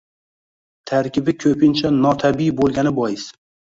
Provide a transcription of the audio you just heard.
Tarkibi ko‘pincha notabiiy bo‘lgani bois